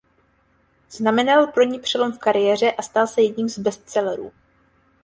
Znamenal pro ni přelom v kariéře a stal se jedním z bestsellerů.